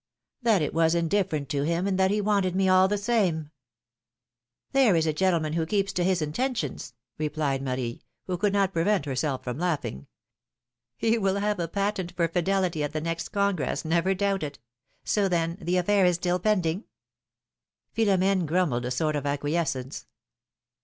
'^" That it was indifferent to him and that he wanted me all the same ! There is a gentleman who keeps to his intentions," replied Marie, who could not prevent herself from laughing. ^'He will have a patent for fidelity at the next Congress, never doubt it! So, then, the affair is still pending?" Philom^ne grumbled a sort of acquiescence.